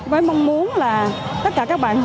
với mong muốn là tất cả các bạn